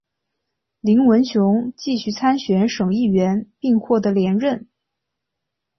林文雄继续参选省议员并获得连任。